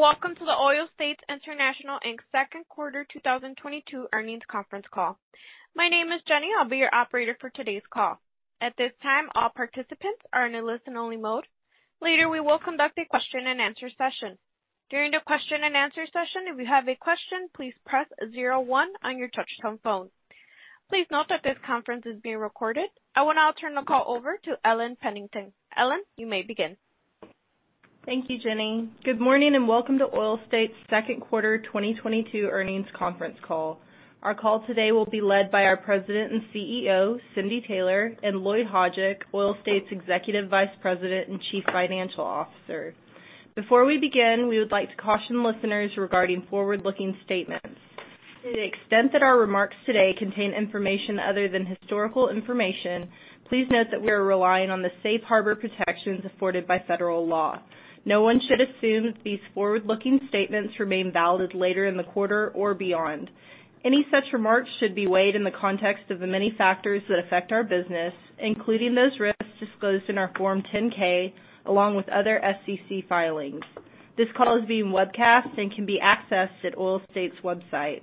Welcome to the Oil States International, Inc.'s second quarter 2022 earnings conference call. My name is Jenny. I'll be your operator for today's call. At this time, all participants are in a listen-only mode. Later, we will conduct a question-and-answer session. During the question-and-answer session, if you have a question, please press zero one on your touch-tone phone. Please note that this conference is being recorded. I will now turn the call over to Elias Pennington. Ellen, you may begin. Thank you, Jenny. Good morning, and welcome to Oil States' second quarter 2022 earnings conference call. Our call today will be led by our President and CEO, Cindy Taylor, and Lloyd Hajdik, Oil States Executive Vice President and Chief Financial Officer. Before we begin, we would like to caution listeners regarding forward-looking statements. To the extent that our remarks today contain information other than historical information, please note that we are relying on the safe harbor protections afforded by federal law. No one should assume that these forward-looking statements remain valid later in the quarter or beyond. Any such remarks should be weighed in the context of the many factors that affect our business, including those risks disclosed in our Form 10-K, along with other SEC filings. This call is being webcast and can be accessed at Oil States' website.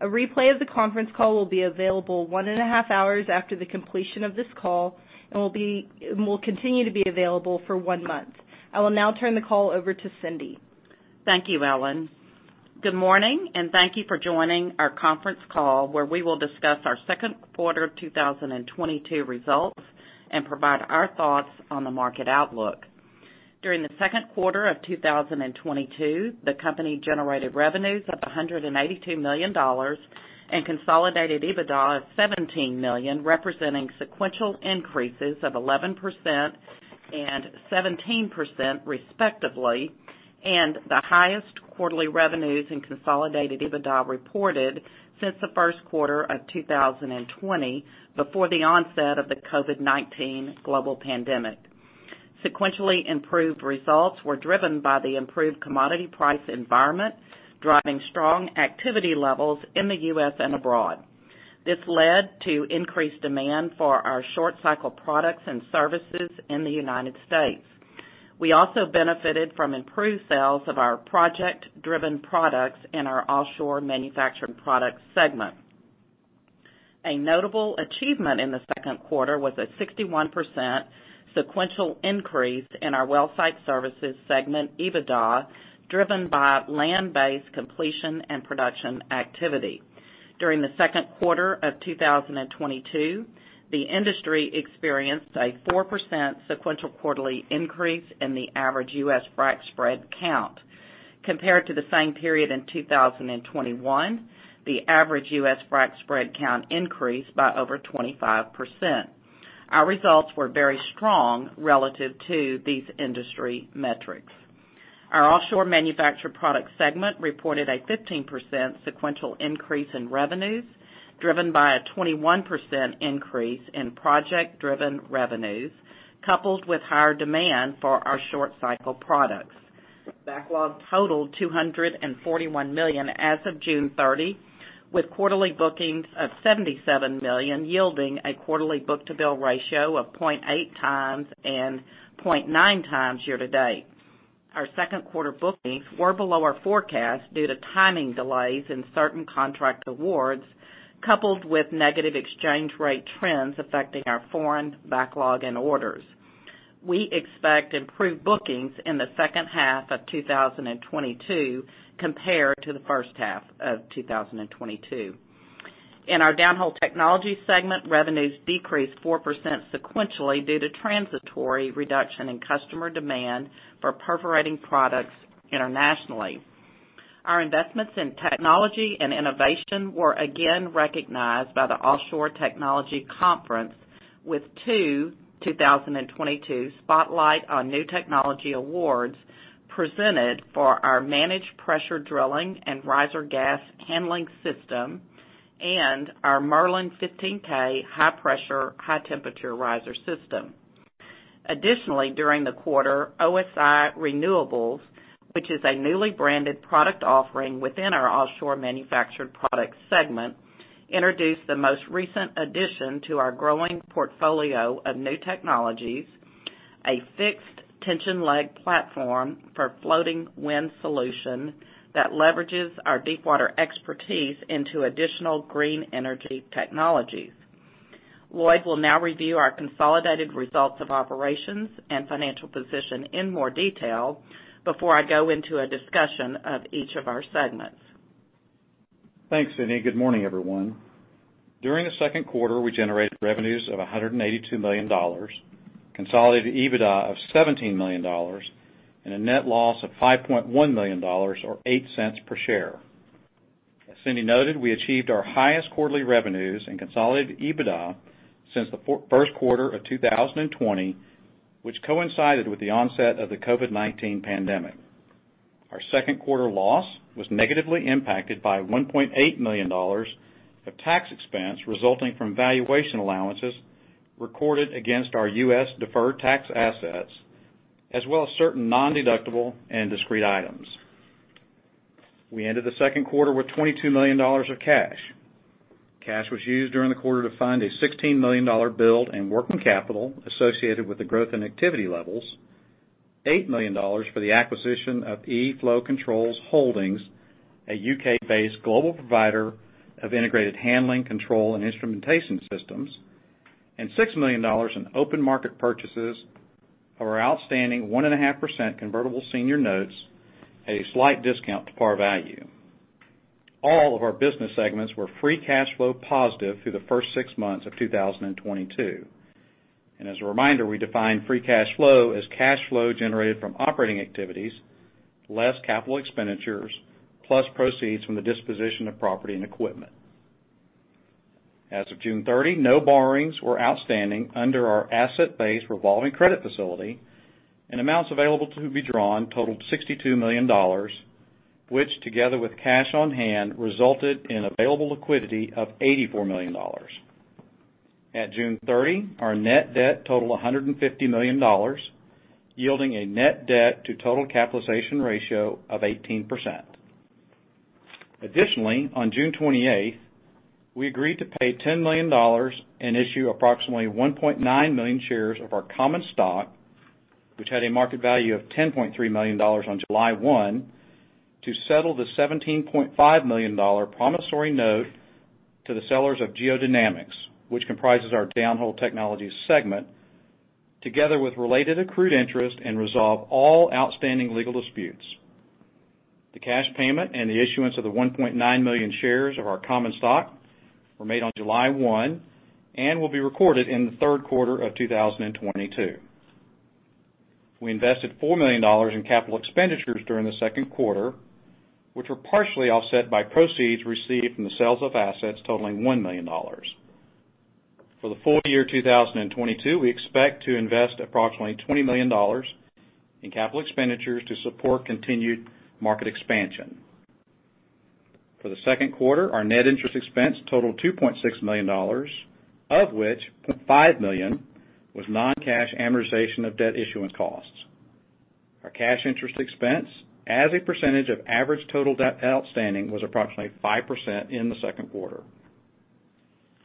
A replay of the conference call will be available one and a half hours after the completion of this call and will continue to be available for one month. I will now turn the call over to Cindy. Thank you, Ellen. Good morning, and thank you for joining our conference call, where we will discuss our second quarter of 2022 results and provide our thoughts on the market outlook. During the second quarter of 2022, the company generated revenues of $182 million and consolidated EBITDA of $17 million, representing sequential increases of 11% and 17% respectively, and the highest quarterly revenues and consolidated EBITDA reported since the first quarter of 2020 before the onset of the COVID-19 global pandemic. Sequentially improved results were driven by the improved commodity price environment, driving strong activity levels in the U.S. and abroad. This led to increased demand for our short-cycle products and services in the United States. We also benefited from improved sales of our project-driven products in our Offshore Manufactured Products segment. A notable achievement in the second quarter was a 61% sequential increase in our Well Site Services segment EBITDA, driven by land-based completion and production activity. During the second quarter of 2022, the industry experienced a 4% sequential quarterly increase in the average U.S. frac spread count. Compared to the same period in 2021, the average U.S. frac spread count increased by over 25%. Our results were very strong relative to these industry metrics. Our Offshore Manufactured Products segment reported a 15% sequential increase in revenues, driven by a 21% increase in project-driven revenues, coupled with higher demand for our short-cycle products. Backlog totaled $241 million as of 30th June, with quarterly bookings of $77 million yielding a quarterly book-to-bill ratio of 0.8x and 0.9x year to date. Our second quarter bookings were below our forecast due to timing delays in certain contract awards, coupled with negative exchange rate trends affecting our foreign backlog and orders. We expect improved bookings in the second half of 2022 compared to the first half of 2022. In our Downhole Technologies segment, revenues decreased 4% sequentially due to transitory reduction in customer demand for perforating products internationally. Our investments in technology and innovation were again recognized by the Offshore Technology Conference with two 2022 Spotlight on New Technology awards presented for our Managed Pressure Drilling and Riser Gas Handling System and our Merlin 15K High Pressure High Temperature Riser System. Additionally, during the quarter, OSI Renewables, which is a newly branded product offering within our Offshore Manufactured Products segment, introduced the most recent addition to our growing portfolio of new technologies, a fixed tension leg platform for floating wind solution that leverages our deepwater expertise into additional green energy technologies. Lloyd will now review our consolidated results of operations and financial position in more detail before I go into a discussion of each of our segments. Thanks, Cindy. Good morning, everyone. During the second quarter, we generated revenues of $182 million, consolidated EBITDA of $17 million, and a net loss of $5.1 million or $0.08 per share. As Cindy noted, we achieved our highest quarterly revenues in consolidated EBITDA since the first quarter of 2020, which coincided with the onset of the COVID-19 pandemic. Our second quarter loss was negatively impacted by $1.8 million of tax expense resulting from valuation allowances recorded against our U.S. deferred tax assets, as well as certain non-deductible and discrete items. We ended the second quarter with $22 million of cash. Cash was used during the quarter to fund a $16 million build and working capital associated with the growth in activity levels, $8 million for the acquisition of E-Flow Control Holdings, a U.K. Based global provider of integrated handling, control, and instrumentation systems, and $6 million in open market purchases of our outstanding 1.5% convertible senior notes at a slight discount to par value. All of our business segments were free cash flow positive through the first six months of 2022. As a reminder, we define free cash flow as cash flow generated from operating activities less capital expenditures, plus proceeds from the disposition of property and equipment. As of 30th June, no borrowings were outstanding under our asset-based revolving credit facility, and amounts available to be drawn totaled $62 million, which together with cash on hand, resulted in available liquidity of $84 million. At 30th June, our net debt totaled $150 million, yielding a net debt to total capitalization ratio of 18%. Additionally, on 28th June, we agreed to pay $10 million and issue approximately 1.9 million shares of our common stock, which had a market value of $10.3 million on 1st July, to settle the $17.5 million promissory note to the sellers of GEODynamics, which comprises our Downhole Technologies segment, together with related accrued interest, and resolve all outstanding legal disputes. The cash payment and the issuance of the 1.9 million shares of our common stock were made on 30th July and will be recorded in the third quarter of 2022. We invested $4 million in capital expenditures during the second quarter, which were partially offset by proceeds received from the sales of assets totaling $1 million. For the full year 2022, we expect to invest approximately $20 million in capital expenditures to support continued market expansion. For the second quarter, our net interest expense totaled $2.6 million, of which $0.5 million was non-cash amortization of debt issuance costs. Our cash interest expense as a percentage of average total debt outstanding was approximately 5% in the second quarter.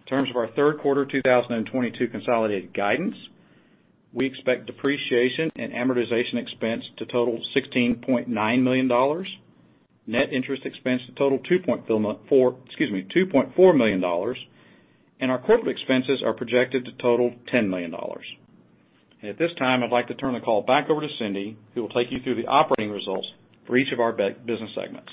In terms of our third quarter 2022 consolidated guidance, we expect depreciation and amortization expense to total $16.9 million, net interest expense to total $2.4 million, and our corporate expenses are projected to total $10 million. At this time, I'd like to turn the call back over to Cindy, who will take you through the operating results for each of our business segments.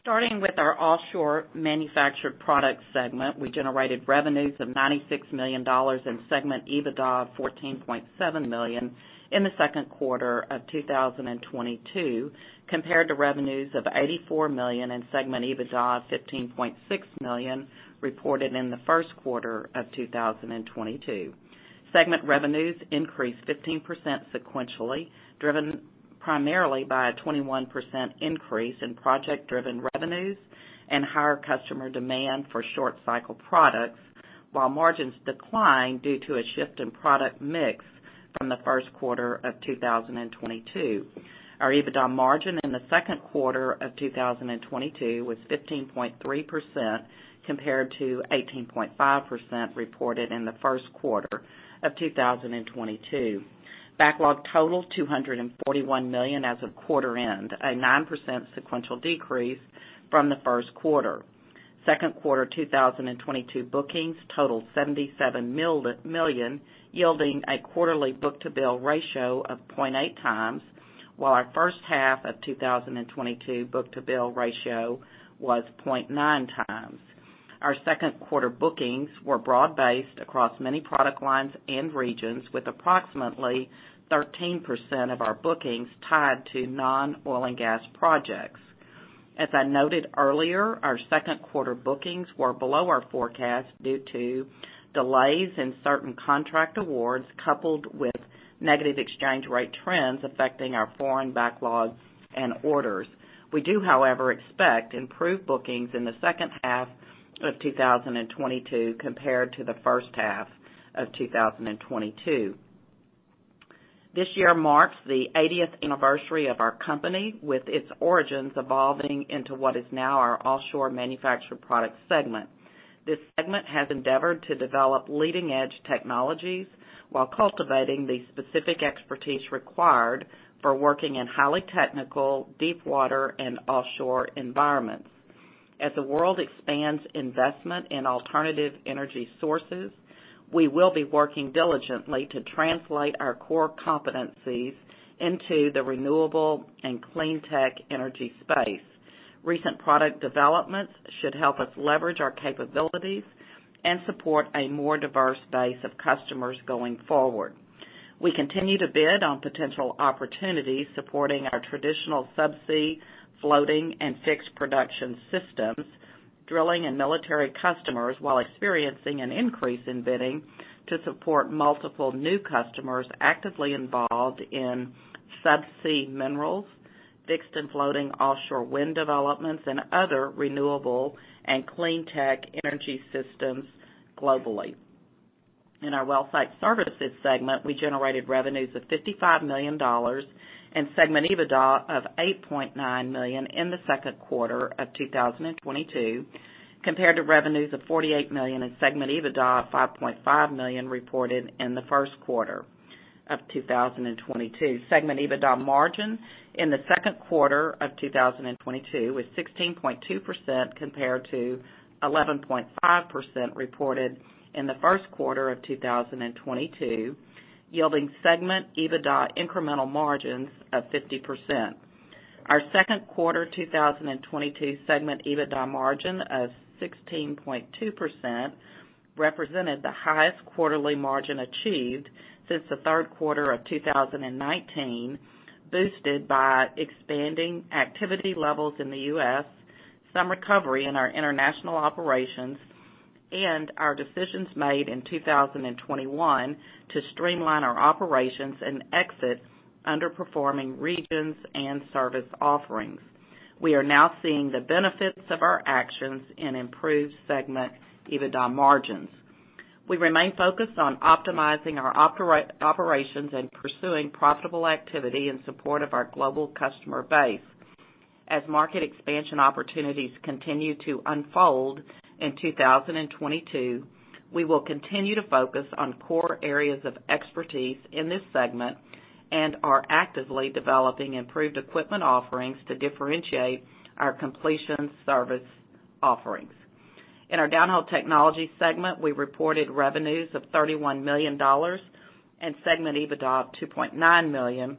Starting with our Offshore Manufactured Products segment, we generated revenues of $96 million and segment EBITDA of $14.7 million in the second quarter of 2022, compared to revenues of $84 million and segment EBITDA of $15.6 million reported in the first quarter of 2022. Segment revenues increased 15% sequentially, driven primarily by a 21% increase in project-driven revenues and higher customer demand for short-cycle products, while margins declined due to a shift in product mix from the first quarter of 2022. Our EBITDA margin in the second quarter of 2022 was 15.3% compared to 18.5% reported in the first quarter of 2022. Backlog totaled $241 million as of quarter end, a 9% sequential decrease from the first quarter. Second quarter 2022 bookings totaled $77 million, yielding a quarterly book-to-bill ratio of 0.8x, while our first half of 2022 book-to-bill ratio was 0.9x. Our second quarter bookings were broad-based across many product lines and regions, with approximately 13% of our bookings tied to non-oil and gas projects. As I noted earlier, our second quarter bookings were below our forecast due to delays in certain contract awards, coupled with negative exchange rate trends affecting our foreign backlogs and orders. We do, however, expect improved bookings in the second half of 2022 compared to the first half of 2022. This year marks the 80th anniversary of our company, with its origins evolving into what is now our Offshore Manufactured Products segment. This segment has endeavored to develop leading-edge technologies while cultivating the specific expertise required for working in highly technical, deepwater, and offshore environments. As the world expands investment in alternative energy sources, we will be working diligently to translate our core competencies into the renewable and clean tech energy space. Recent product developments should help us leverage our capabilities and support a more diverse base of customers going forward. We continue to bid on potential opportunities supporting our traditional subsea, floating, and fixed production systems, drilling and military customers, while experiencing an increase in bidding to support multiple new customers actively involved in subsea minerals, fixed and floating offshore wind developments, and other renewable and clean tech energy systems globally. In our Well Site Services segment, we generated revenues of $55 million and segment EBITDA of $8.9 million in the second quarter of 2022, compared to revenues of $48 million and segment EBITDA of $5.5 million reported in the first quarter of 2022. Segment EBITDA margin in the second quarter of 2022 was 16.2% compared to 11.5% reported in the first quarter of 2022, yielding segment EBITDA incremental margins of 50%. Our second quarter 2022 segment EBITDA margin of 16.2% represented the highest quarterly margin achieved since the third quarter of 2019, boosted by expanding activity levels in the U.S., some recovery in our international operations, and our decisions made in 2021 to streamline our operations and exit underperforming regions and service offerings. We are now seeing the benefits of our actions in improved segment EBITDA margins. We remain focused on optimizing our operations and pursuing profitable activity in support of our global customer base. As market expansion opportunities continue to unfold in 2022, we will continue to focus on core areas of expertise in this segment and are actively developing improved equipment offerings to differentiate our completion service offerings. In our Downhole Technologies segment, we reported revenues of $31 million and segment EBITDA of $2.9 million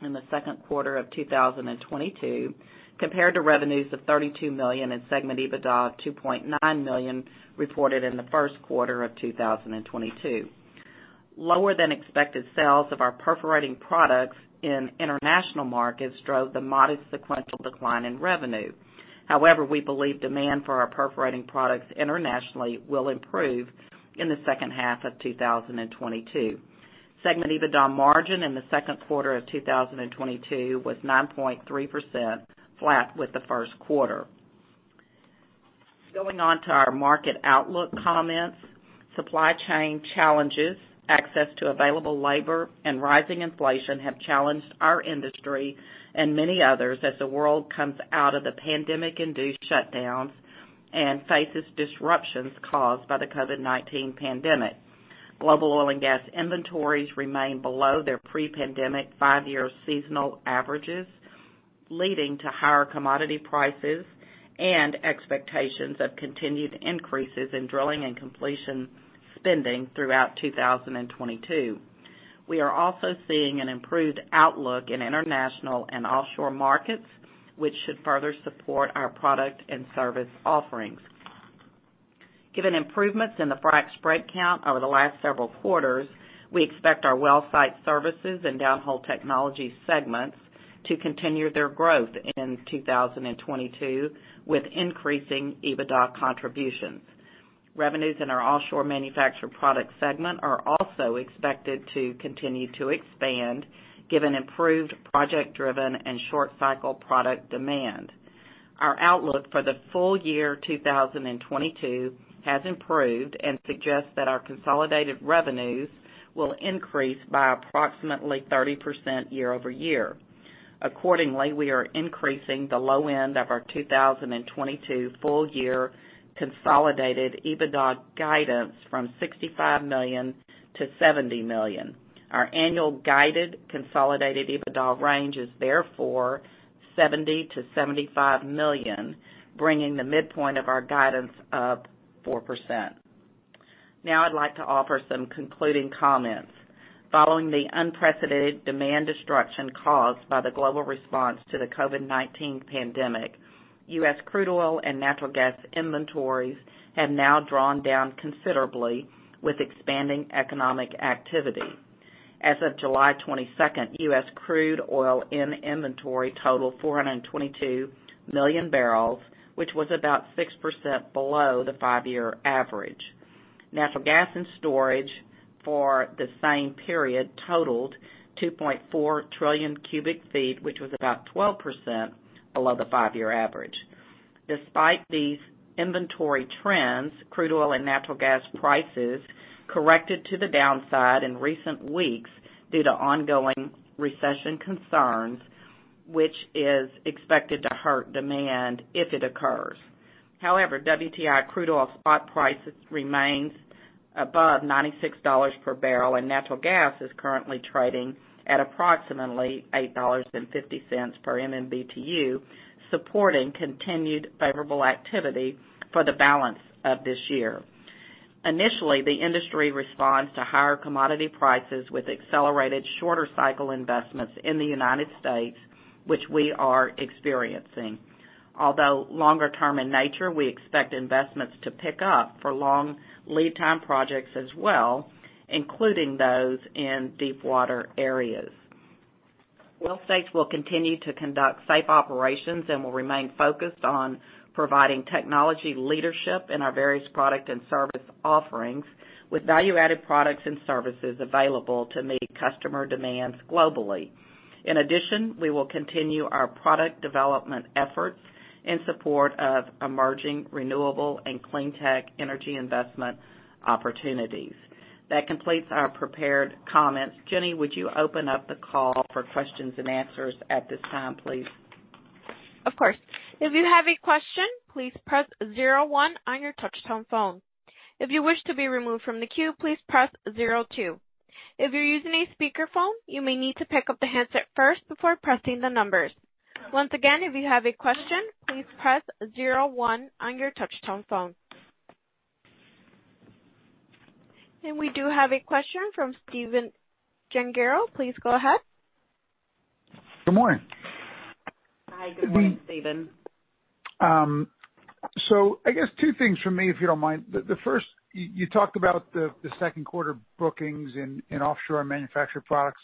in the second quarter of 2022 compared to revenues of $32 million and segment EBITDA of $2.9 million reported in the first quarter of 2022. Lower than expected sales of our perforating products in international markets drove the modest sequential decline in revenue. However, we believe demand for our perforating products internationally will improve in the second half of 2022. Segment EBITDA margin in the second quarter of 2022 was 9.3%, flat with the first quarter. Going on to our market outlook comments. Supply chain challenges, access to available labor, and rising inflation have challenged our industry and many others as the world comes out of the pandemic-induced shutdowns and faces disruptions caused by the COVID-19 pandemic. Global oil and gas inventories remain below their pre-pandemic five-year seasonal averages, leading to higher commodity prices and expectations of continued increases in drilling and completion spending throughout 2022. We are also seeing an improved outlook in international and offshore markets, which should further support our product and service offerings. Given improvements in the frac spread count over the last several quarters, we expect our Well Site Services and Downhole Technologies segments to continue their growth in 2022 with increasing EBITDA contributions. Revenues in our Offshore Manufactured Products segment are also expected to continue to expand given improved project-driven and short cycle product demand. Our outlook for the full-year 2022 has improved and suggests that our consolidated revenues will increase by approximately 30% year-over-year. Accordingly, we are increasing the low end of our 2022 full-year consolidated EBITDA guidance from $65 million-$70 million. Our annual guided consolidated EBITDA range is therefore $70-$75 million, bringing the midpoint of our guidance up 4%. Now I'd like to offer some concluding comments. Following the unprecedented demand destruction caused by the global response to the COVID-19 pandemic, U.S. crude oil and natural gas inventories have now drawn down considerably with expanding economic activity. As of 20th July, U.S. crude oil in inventory totaled 422 million barrels, which was about 6% below the five year average. Natural gas in storage for the same period totaled 2.4 trillion cubic feet, which was about 12% below the five year average. Despite these inventory trends, crude oil and natural gas prices corrected to the downside in recent weeks due to ongoing recession concerns, which is expected to hurt demand if it occurs. However, WTI crude oil spot prices remains above $96 per barrel, and natural gas is currently trading at approximately $8.50 per MMBtu, supporting continued favorable activity for the balance of this year. Initially, the industry responds to higher commodity prices with accelerated shorter cycle investments in the United States, which we are experiencing. Although longer-term in nature, we expect investments to pick up for long lead time projects as well, including those in deepwater areas. Well Site will continue to conduct safe operations and will remain focused on providing technology leadership in our various product and service offerings with value-added products and services available to meet customer demands globally. In addition, we will continue our product development efforts in support of emerging renewable and clean tech energy investment opportunities. That completes our prepared comments. Jenny, would you open up the call for questions and answers at this time, please? Of course. If you have a question, please press zero one on your touch-tone phone. If you wish to be removed from the queue, please press zero two. If you're using a speakerphone, you may need to pick up the handset first before pressing the numbers. Once again, if you have a question, please press zero one on your touch-tone phone. We do have a question from Stephen Gengaro. Please go ahead. Good morning. Hi. Good morning, Stephen. I guess two things from me, if you don't mind. The first, you talked about the second quarter bookings in Offshore Manufactured Products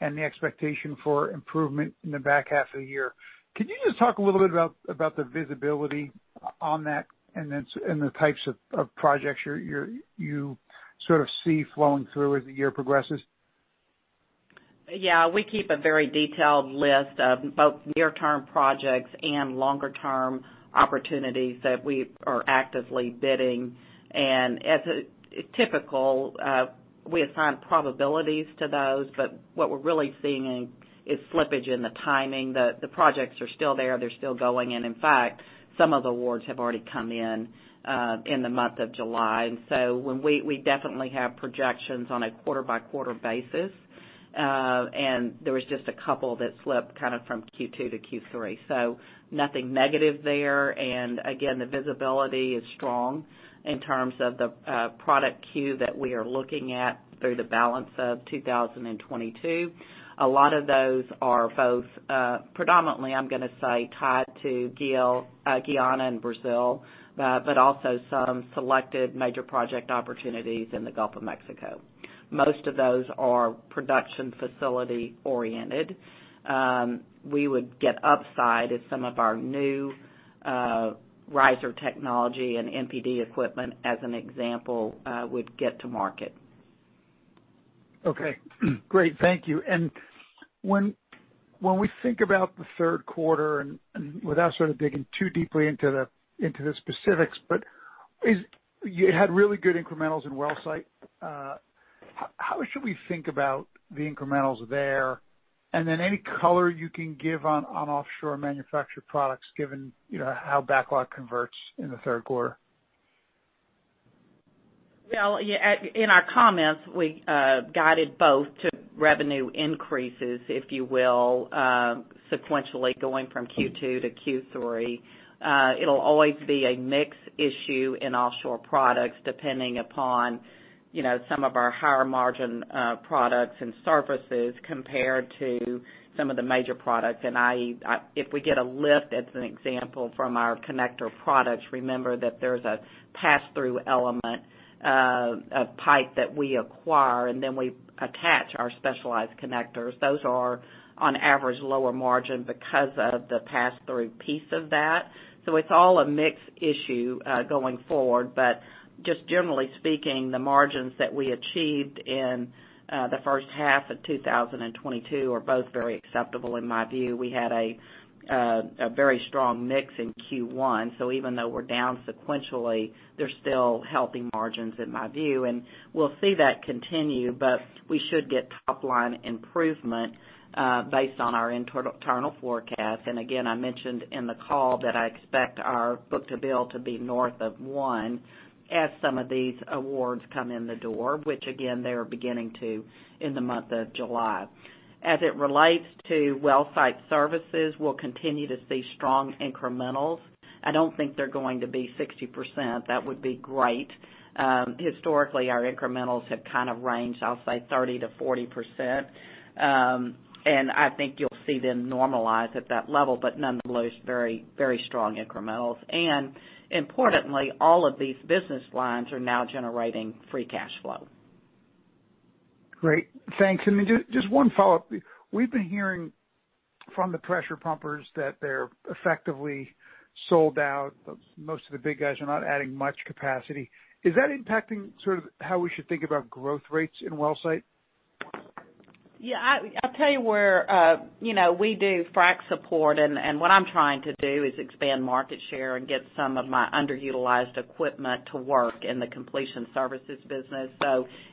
and the expectation for improvement in the back half of the year. Can you just talk a little bit about the visibility on that and the types of projects you're you sort of see flowing through as the year progresses? Yeah. We keep a very detailed list of both near-term projects and longer-term opportunities that we are actively bidding. As a typical, we assign probabilities to those. What we're really seeing is slippage in the timing. The projects are still there, they're still going, and in fact, some of the awards have already come in the month of July. We definitely have projections on a quarter-by-quarter basis, and there was just a couple that slipped kind of from Q2-Q3. Nothing negative there. Again, the visibility is strong in terms of the product queue that we are looking at through the balance of 2022. A lot of those are both, predominantly, I'm gonna say, tied to Guyana and Brazil, but also some selected major project opportunities in the Gulf of Mexico. Most of those are production facility-oriented. We would get upside if some of our new riser technology and MPD equipment, as an example, would get to market. Okay. Great. Thank you. When we think about the third quarter and without sort of digging too deeply into the specifics, but you had really good incrementals in Well Site. How should we think about the incrementals there? And then any color you can give on Offshore Manufactured Products given, you know, how backlog converts in the third quarter? Well, yeah, in our comments, we guided both to revenue increases, if you will, sequentially going from Q2- Q3. It'll always be a mix issue in offshore products, depending upon, you know, some of our higher margin products and services compared to some of the major products. If we get a lift, as an example, from our connector products, remember that there's a pass-through element of pipe that we acquire, and then we attach our specialized connectors. Those are on average lower margin because of the pass-through piece of that. It's all a mix issue going forward. Just generally speaking, the margins that we achieved in the first half of 2022 are both very acceptable in my view. We had a very strong mix in Q1, so even though we're down sequentially, they're still healthy margins in my view. We'll see that continue, but we should get top-line improvement based on our internal forecast. Again, I mentioned in the call that I expect our book-to-bill to be north of one as some of these awards come in the door, which again, they are beginning to in the month of July. As it relates to Well Site Services, we'll continue to see strong incrementals. I don't think they're going to be 60%. That would be great. Historically, our incrementals have kind of ranged, I'll say 30%-40%. I think you'll see them normalize at that level, but nonetheless, very, very strong incrementals. Importantly, all of these business lines are now generating free cash flow. Great. Thanks. Just one follow-up. We've been hearing from the pressure pumpers that they're effectively sold out. Most of the big guys are not adding much capacity. Is that impacting sort of how we should think about growth rates in Well Site? Yeah. I'll tell you where we do frac support and what I'm trying to do is expand market share and get some of my underutilized equipment to work in the completion services business.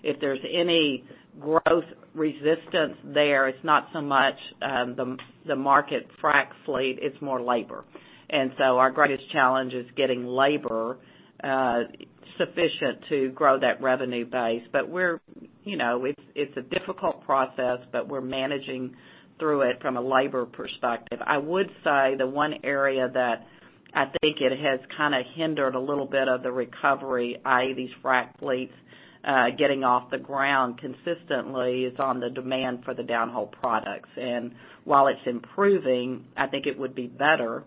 If there's any growth resistance there, it's not so much the market frac fleet, it's more labor. Our greatest challenge is getting labor sufficient to grow that revenue base. It's a difficult process, but we're managing through it from a labor perspective. I would say the one area that I think it has kinda hindered a little bit of the recovery, i.e., these frac fleets getting off the ground consistently is on the demand for the downhole products. While it's improving, I think it would be better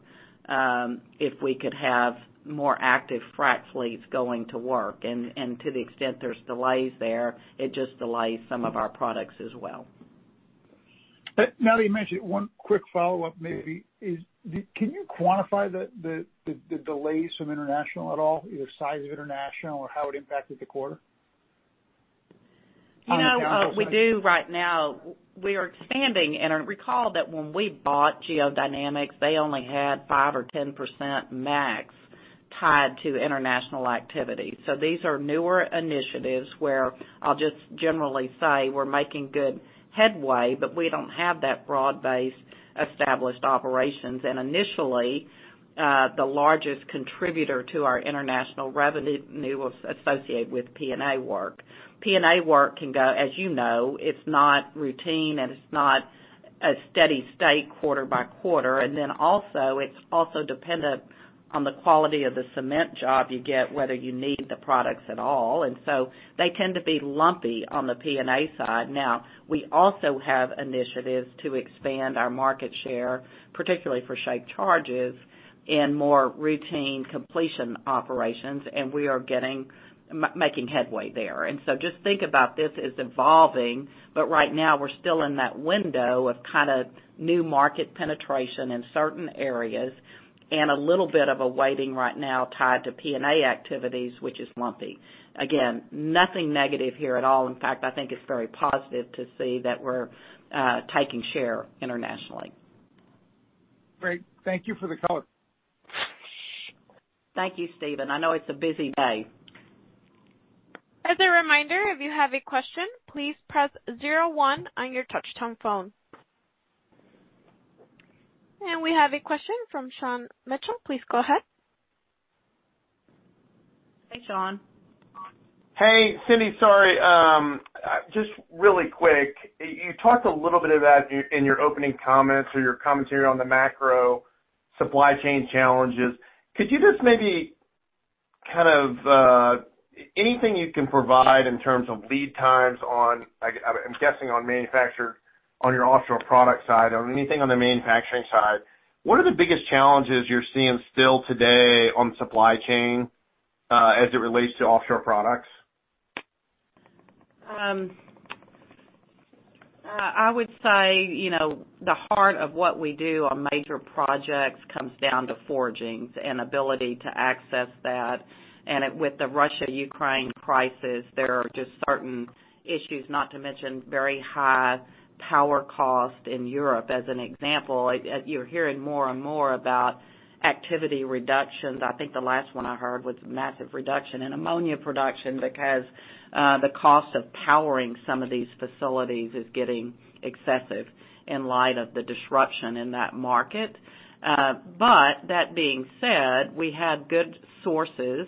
if we could have more active frac fleets going to work. To the extent there's delays there, it just delays some of our products as well. Now that you mention it, one quick follow-up maybe. Can you quantify the delays from international at all, you know, size of international or how it impacted the quarter? You know, we do right now. We are expanding. Recall that when we bought GEODynamics, they only had 5% or 10% max tied to international activity. These are newer initiatives where I'll just generally say we're making good headway, but we don't have that broad-based established operations. Initially, the largest contributor to our international revenue was associated with P&A work. P&A work can go, as you know, it's not routine, and it's not a steady state quarter by quarter. Then also, it's also dependent on the quality of the cement job you get, whether you need the products at all. They tend to be lumpy on the P&A side. Now, we also have initiatives to expand our market share, particularly for shaped charges in more routine completion operations, and we are making headway there. Just think about this as evolving, but right now we're still in that window of kind of new market penetration in certain areas and a little bit of a waiting right now tied to P&A activities, which is lumpy. Again, nothing negative here at all. In fact, I think it's very positive to see that we're taking share internationally. Great. Thank you for the color. Thank you, Stephen. I know it's a busy day. As a reminder, if you have a question, please press zero one on your touchtone phone. We have a question from Sean Mitchell. Please go ahead. Hey, Sean. Hey, Cindy. Sorry, just really quick. You talked a little bit about it in your opening comments or your commentary on the macro supply chain challenges. Could you just maybe kind of anything you can provide in terms of lead times on, I'm guessing on manufacture on your offshore product side or anything on the manufacturing side, what are the biggest challenges you're seeing still today on supply chain as it relates to offshore products? I would say, you know, the heart of what we do on major projects comes down to forgings and ability to access that. With the Russia-Ukraine crisis, there are just certain issues, not to mention very high power cost in Europe. As an example, you're hearing more and more about activity reductions. I think the last one I heard was massive reduction in ammonia production because the cost of powering some of these facilities is getting excessive in light of the disruption in that market. But that being said, we have good sources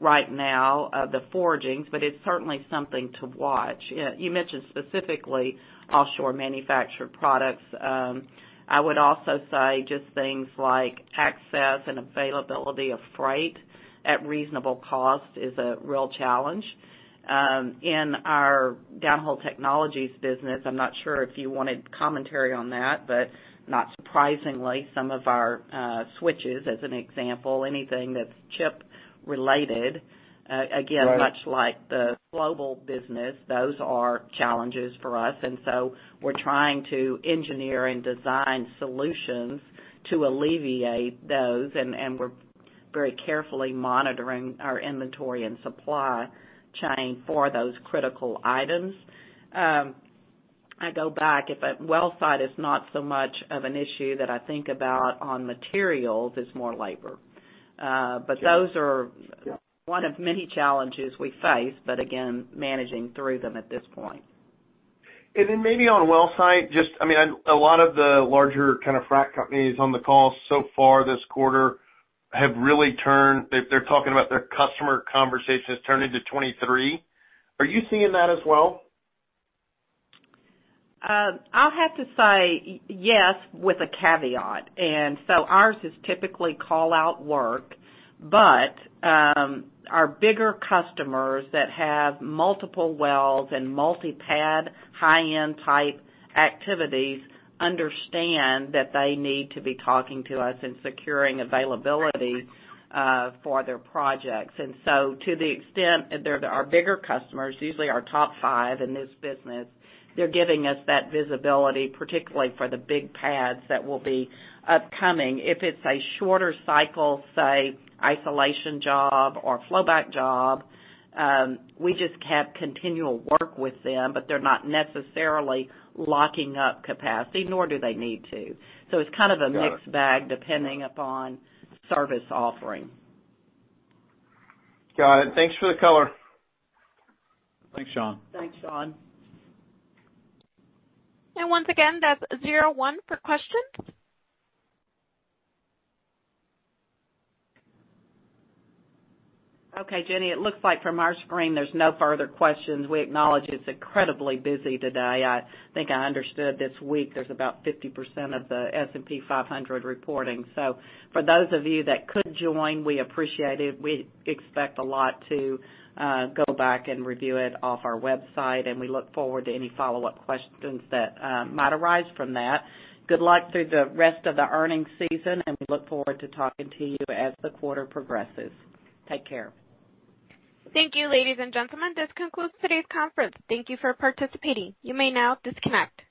right now of the forgings, but it's certainly something to watch. You mentioned specifically Offshore Manufactured Products. I would also say just things like access and availability of freight at reasonable cost is a real challenge. In our Downhole Technologies business, I'm not sure if you wanted commentary on that, but not surprisingly, some of our switches as an example, anything that's chip related, again- Right. Much like the global business, those are challenges for us. We're trying to engineer and design solutions to alleviate those, and we're very carefully monitoring our inventory and supply chain for those critical items. I go back, if a well site is not so much of an issue that I think about on materials, it's more labor. Those are one of many challenges we face, but again, managing through them at this point. Maybe on Well Site, just, I mean, a lot of the larger kind of frac companies on the call so far this quarter have really turned. They're talking about their customer conversations turning to 2023. Are you seeing that as well? I'll have to say yes with a caveat. Ours is typically call-out work, but our bigger customers that have multiple wells and multi-pad, high-end type activities understand that they need to be talking to us and securing availability for their projects. To the extent that they're our bigger customers, usually our top five in this business, they're giving us that visibility, particularly for the big pads that will be upcoming. If it's a shorter cycle, say, isolation job or flowback job, we just have continual work with them, but they're not necessarily locking up capacity, nor do they need to. It's kind of a mixed bag depending upon service offering. Got it. Thanks for the color. Thanks, Sean. Thanks, Sean. Once again, that's 01 for questions. Okay, Jenny, it looks like from our screen, there's no further questions. We acknowledge it's incredibly busy today. I think I understood this week there's about 50% of the S&P 500 reporting. For those of you that could join, we appreciate it. We expect a lot to go back and review it off our website, and we look forward to any follow-up questions that might arise from that. Good luck through the rest of the earnings season, and we look forward to talking to you as the quarter progresses. Take care. Thank you, ladies and gentlemen. This concludes today's conference. Thank you for participating. You may now disconnect.